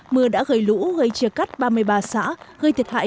mưa đã gây lũ gây chia cắt ba mươi ba xã gây thiệt hại